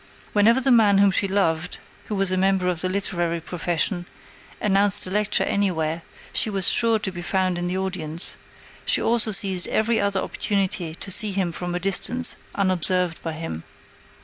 Whenever the man whom she loved, who was a member of the literary profession, announced a lecture anywhere, she was sure to be found in the audience; she also seized every other opportunity to see him from a distance unobserved by him.